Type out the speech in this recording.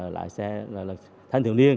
lại xe là thanh thiểu niên